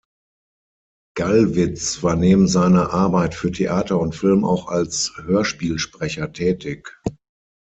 Gallwitz war neben seiner Arbeit für Theater und Film auch als Hörspielsprecher tätig.